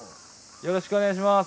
よろしくお願いします。